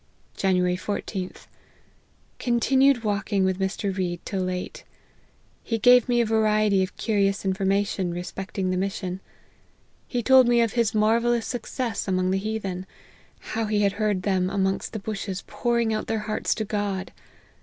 "January 14th. Continued walking with Mr. Read till late. He gave me a variety of curious information respecting the mission. He told me of his marvellous success amongst the heathen ; how he had heard them amongst the bushes pouring out their hearts to God.